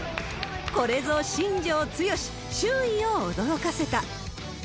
これぞ新庄剛志、周囲を驚かせた。